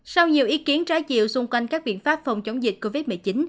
sau nhiều ý kiến trái chiều xung quanh các biện pháp phòng chống dịch covid một mươi chín